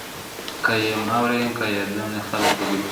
كه يم اورې كـــــه يـــم دلې خــلـگ خـبــري كـوي.